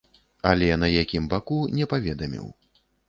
Але на якім баку, не паведаміў.